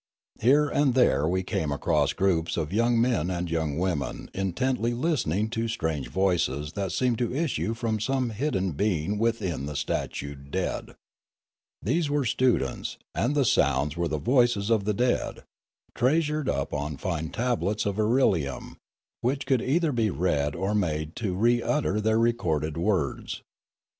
Here and there we came across groups of young men and young women intently listening to strange voices that seemed to issue from some hidden being within the statued dead. These were students, and the sounds were the voices of the dead, treasured up on fine tablets of irelium, which could either be read or made to re utter their recorded words.